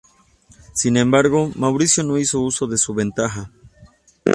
Sin embargo, Mauricio no hizo uso de su ventaja.